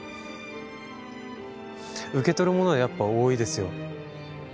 受け取るものはやっぱ多いですよ。